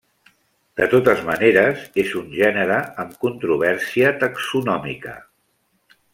De totes maneres, és un gènere amb controvèrsia taxonòmica.